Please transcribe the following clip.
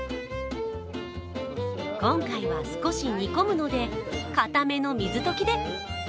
今回は、少し煮込むので固めの水溶きで。